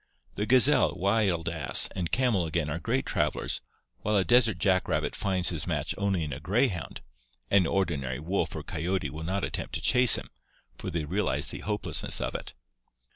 The gazelle, wild ass, and camel again are great travelers, while a desert jack rabbit finds his match only in a greyhound — an ordinary wolf or coyote will not attempt to chase him, for they realize the hopeless ness of it.